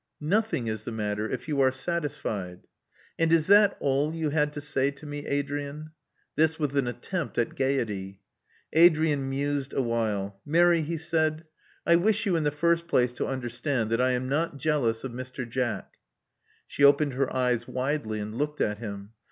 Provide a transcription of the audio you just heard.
"Nothing is the matter, if you are satisfied." "And is that all you had^ to say to me, Adrian?" This with an attempt at gaiety. Adrian mused awhile. Mary," he said: "I wish you in the first place to understand that I am not jealous of Mr. Jack." She opened her eyes widely, and looked at him.